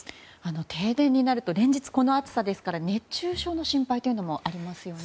停電になると連日この暑さですから熱中症の心配もありますね。